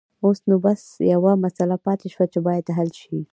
اوس نو بس يوه مسله پاتې شوه چې بايد حل شي.